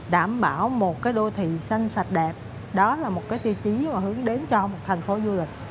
đảm bảo một đô thị xanh sạch đẹp đó là một cái tiêu chí mà hướng đến cho một thành phố du lịch